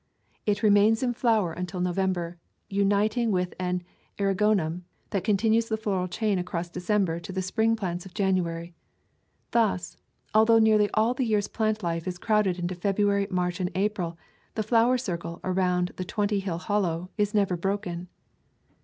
It remains in flower un til November, uniting with an eriogonum that continues the floral chain across December to the spring plants of January. Thus, although nearly all of the year's plant life is crowded into February, March, and April, the flower circle around the Twenty Hill Hollow is never broken.